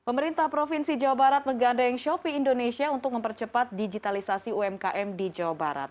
pemerintah provinsi jawa barat menggandeng shopee indonesia untuk mempercepat digitalisasi umkm di jawa barat